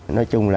nói chung là